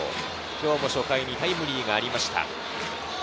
今日も初回にタイムリーがありました。